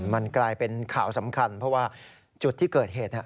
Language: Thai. มันกลายเป็นข่าวสำคัญเพราะว่าจุดที่เกิดเหตุ